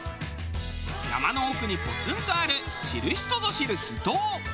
山の奥にポツンとある知る人ぞ知る秘湯。